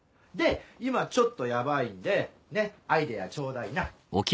で今ちょっとヤバいんでアイデアちょうだいな。